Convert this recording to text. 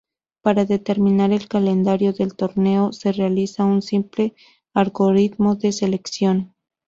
Para determinar el calendario del torneo, se realiza un simple algoritmo de selección.